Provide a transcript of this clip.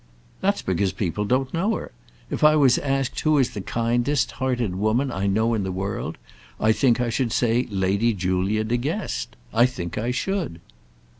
"That's because people don't know her. If I was asked who is the kindest hearted woman I know in the world, I think I should say Lady Julia De Guest. I think I should."